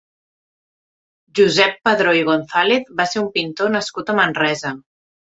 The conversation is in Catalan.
Josep Padró i Gonzàlez va ser un pintor nascut a Manresa.